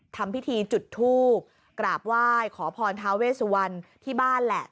ทำพิธีจุดทูบกราบไหว้ขอพรทาเวสวันที่บ้านแหละ